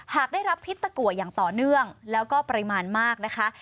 หากได้รับพิษตะกัวอย่างต่อเนื่องแล้วก็ปริมาณมากนะคะ